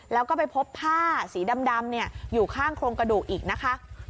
แล้วก็ไปพบผ้าสีดำอยู่ข้างโครงกระดูกอีกนะคะ